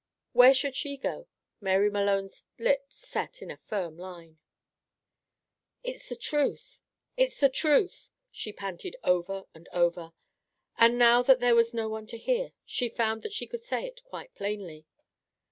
WHERE SHOULD SHE GO? Mary Malone's lips set in a firm line. "It's the truth! It's the truth!" she panted over and over, and now that there was no one to hear, she found that she could say it quite plainly.